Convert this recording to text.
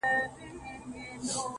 • شېخ سره وښورېدی زموږ ومخته کم راغی.